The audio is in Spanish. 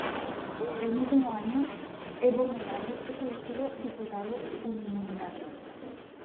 El mismo año, Evo Morales es elegido diputado uninominal.